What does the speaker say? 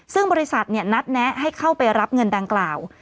ซึ่งบริษัทนัดแนะให้เข้าไปรับเงินดังกล่าว